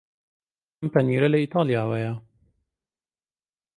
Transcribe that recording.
ئەم پەنیرە لە ئیتاڵیاوەیە.